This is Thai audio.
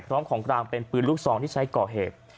ของกลางเป็นปืนลูกซองที่ใช้ก่อเหตุ